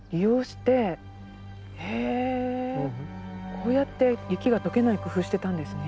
こうやって雪が解けない工夫してたんですね。